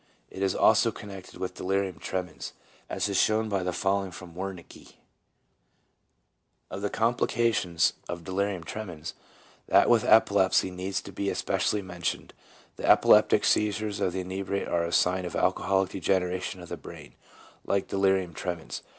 It is also connected with delirium tremens, as is shown by the following from Wernicke: — 6 "Of the complications [of delirium tremens] that with epilepsy needs to be especially mentioned. The epileptic seizures of the inebriate are a sign of alcoholic degeneration of the brain, like delirium tremens.